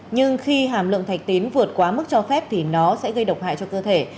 nhưng khi hàm lượng thạch tín vượt quá mức cho phép thì nó sẽ gây độc hại cho cơ thể